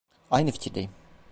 Aynı fikirdeyim.